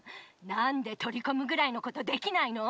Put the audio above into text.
何で取りこむぐらいのことできないの？